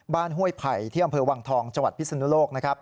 บ้านห้วยไผ่ที่อำเภอวังทองจพิศนโลก